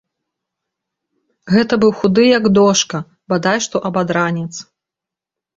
Гэта быў худы, як дошка, бадай што абадранец.